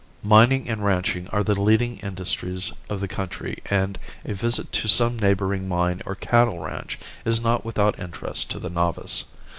Mining and ranching are the leading industries of the country and a visit to some neighboring mine or cattle ranch is not without interest to the novice.